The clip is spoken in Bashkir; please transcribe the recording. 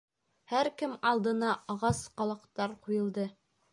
Һәр кем алдына ағас ҡалаҡтар ҡуйылды.